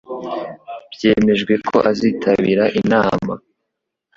byemejwe ko azitabira inama